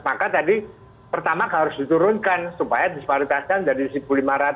maka tadi pertama harus diturunkan supaya disparitasnya menjadi rp satu lima ratus